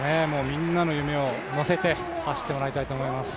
みんなの夢を乗せて走ってもらいたいと思います。